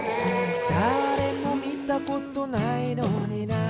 「だれもみたことないのにな」